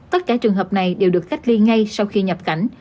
tất cả trường hợp này đều được cách ly ngay sau khi nhập cảnh